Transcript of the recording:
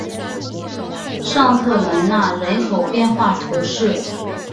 尚特兰讷人口变化图示